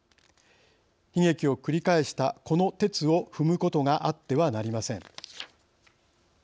悲劇を繰り返したこのてつを踏むことがあってはなりません。